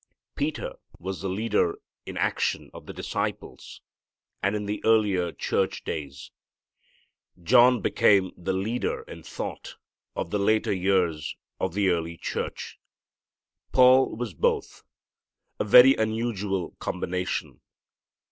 Peter was the leader in action of the disciples, and in the earlier church days. John became the leader in thought of the later years of the early church. Paul was both, a very unusual combination.